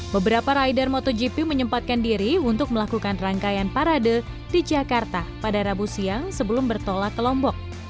beberapa rider motogp menyempatkan diri untuk melakukan rangkaian parade di jakarta pada rabu siang sebelum bertolak ke lombok